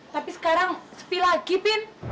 tapi sekarang sepi lagi pin